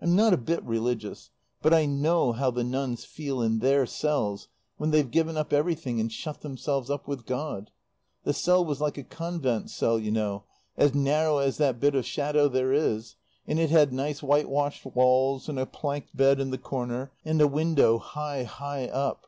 I'm not a bit religious, but I know how the nuns feel in their cells when they've given up everything and shut themselves up with God. The cell was like a convent cell, you know, as narrow as that bit of shadow there is, and it had nice white washed walls, and a planked bed in the corner, and a window high, high up.